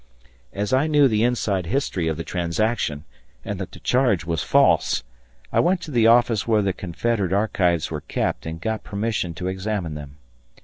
As I knew the inside history of the transaction and that the charge was false, I went to the office where the Confederate archives were kept and got permission to examine them.